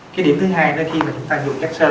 cái điểm thứ hai đó khi mà chúng ta dùng các sơ